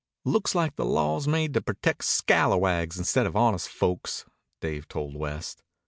"Looks like the law's made to protect scalawags instead of honest folks," Dave told West.